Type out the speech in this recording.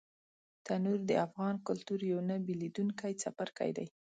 تنور د افغان کلتور یو نه بېلېدونکی څپرکی دی